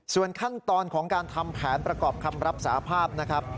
ส่วนขั้นตอนของการทำแผนประกอบคำรับสาภาพนะครับ